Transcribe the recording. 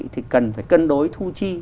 thì cần phải cân đối thu chi